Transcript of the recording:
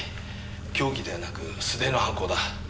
凶器ではなく素手の犯行だ。